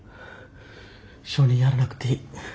証人やらなくていい。